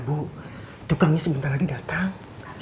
bu tukangnya sebentar lagi datang